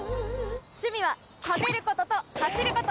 趣味は食べることと走ること。